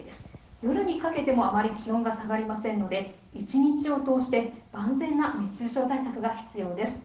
夜にかけてもあまり気温が下がりませんので一日を通して万全な熱中症対策が必要です。